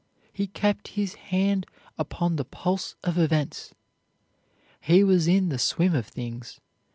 He kept his hand upon the pulse of events. He was in the swim of things.